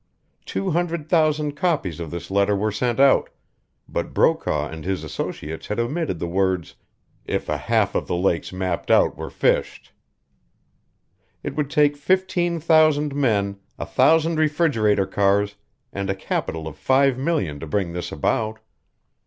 Two hundred thousand copies of this letter were sent out, but Brokaw and his associates had omitted the words, 'If a half of the lakes mapped out were fished.' It would take fifteen thousand men, a thousand refrigerator cars, and a capital of five million to bring this about.